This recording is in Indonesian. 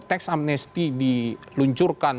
tax amnesty diluncurkan